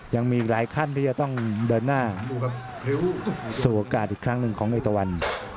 ยังมีอีกหลายขั้นที่จะต้องเดินหน้าสู่โอกาสอีกครั้งหนึ่งของเอกตะวัน